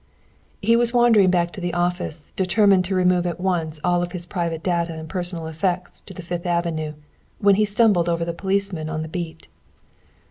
He was wandering back to the office, determined to remove at once all of his private data and personal effects to the Fifth Avenue, when he stumbled over the policeman on the beat.